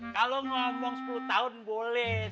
kalau ngomong sepuluh tahun boleh